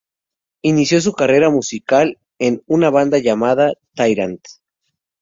Inició su carrera musical en una banda escolar llamada "Tyrant".